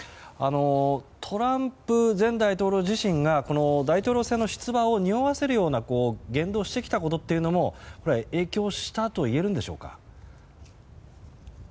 トランプ前大統領自身が大統領選の出馬をにおわせる言動をしてきたのも影響しているんでしょうか。